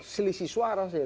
selisih suara saja